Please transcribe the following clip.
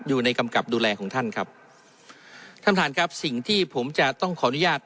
อยู่ในกำกับดูแลของท่านครับท่านท่านครับสิ่งที่ผมจะต้องขออนุญาต